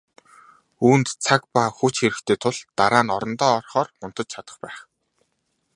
Үүнд цаг ба хүч хэрэгтэй тул дараа нь орондоо орохоор унтаж чадах байх.